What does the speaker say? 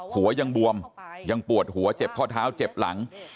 หัวยังบวมยังปวดหัวเจ็บข้อเท้าเจ็บหลัง